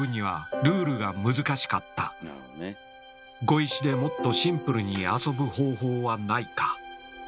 碁石でもっとシンプルに遊ぶ方法はないか。